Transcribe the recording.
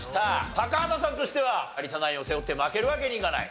高畑さんとしては有田ナインを背負って負けるわけにいかない。